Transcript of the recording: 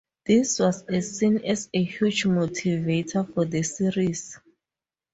This was a seen as a huge motivator for the series.